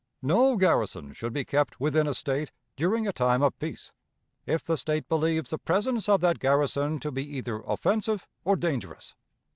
No garrison should be kept within a State, during a time of peace, if the State believes the presence of that garrison to be either offensive or dangerous.